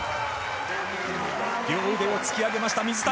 両腕を突き上げました水谷。